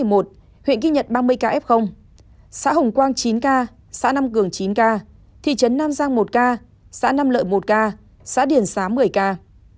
huyện ghi nhận ba mươi ca f xã hồng quang chín ca xã nam cường chín ca thị trấn nam giang một ca xã năm lợi một ca xã điển xá một mươi ca